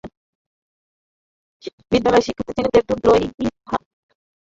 তিনি দ্রেপুং বৌদ্ধবিহার বিশ্ববিদ্যালয়ে শিক্ষালাভ করেন।